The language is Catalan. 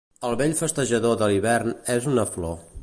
El vell festejador de l'hivern és una flor.